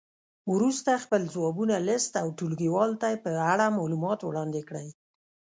وروسته خپل ځوابونه لیست او ټولګیوالو ته یې په اړه معلومات وړاندې کړئ.